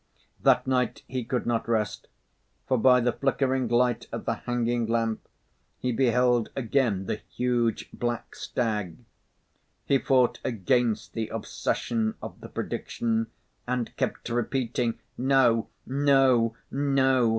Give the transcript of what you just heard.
That night he could not rest, for, by the flickering light of the hanging lamp, he beheld again the huge black stag. He fought against the obsession of the prediction and kept repeating: "No! No! No!